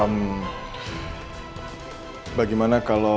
ibu yosa pak nino dan pak surya